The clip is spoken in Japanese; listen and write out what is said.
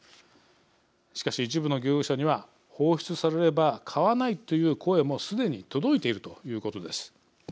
しかし、一部の漁業者には放出されれば買わないという声もすでに届いているということです。